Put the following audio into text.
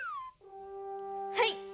はい。